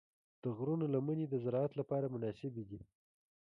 د غرونو لمنې د زراعت لپاره مناسبې دي.